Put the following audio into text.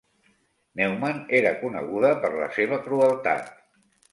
Neumann era coneguda per la seva crueltat.